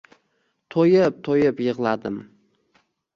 Toʻyib-toʻyib yigʻladim